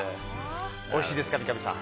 おいしいですか、三上さん。